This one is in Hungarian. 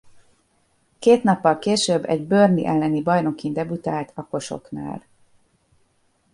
Két nappal később egy Burnley elleni bajnokin debütált a Kosoknál.